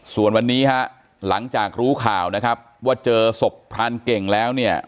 ส่วนวันนี้ฮะหลังจากรู้ข่าวนะครับว่าเจอศพพรานเก่งแล้วเนี่ย